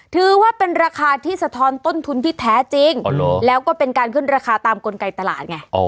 ถือว่าเป็นราคาที่สะท้อนต้นทุนที่แท้จริงแล้วก็เป็นการขึ้นราคาตามกลไกตลาดไง